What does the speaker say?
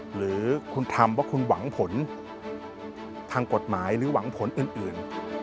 หรือคุณทำว่าคุณหวังผลทางกฎหมายหรือหวังผลอื่น